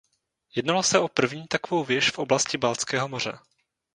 Jednalo se o první takovou věž v oblasti Baltského moře.